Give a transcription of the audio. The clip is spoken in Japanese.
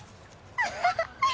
アハハッ！